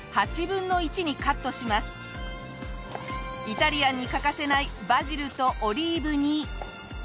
イタリアンに欠かせないバジルとオリーブに。